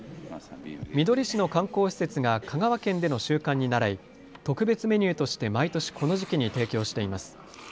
みどり市の観光施設が香川県での習慣にならい特別メニューとして毎年この時期に提供しています。